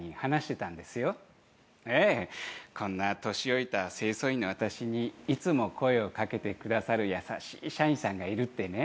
こんな年老いた清掃員の私にいつも声を掛けてくださる優しい社員さんがいるってね。